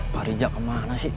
pak rizal kemana sih